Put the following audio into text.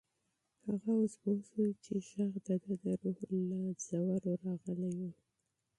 هغه اوس پوه شو چې غږ د ده د روح له ژورو راغلی و.